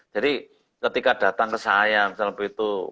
jadi ketika datang ke saya misalnya begitu